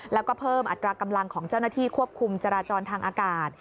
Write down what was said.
แล้วก็เพิ่มอัตรากำลังของเจ้าหน้าที่ควบคุมจราจรทางอากาศ